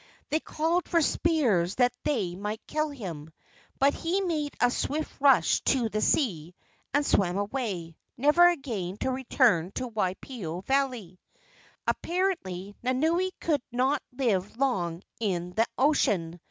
They called for spears that they might kill him, but he made a swift rush to the sea and swam away, never again to return to Waipio Valley. Apparently Nanaue could not live long in the ocean.